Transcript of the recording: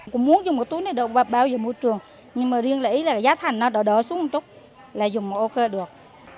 cũng muốn dùng túi này vào bao nhiêu môi trường nhưng mà riêng là ý là giá thành nó đỡ đỡ xuống một chút là dùng một ô cơ được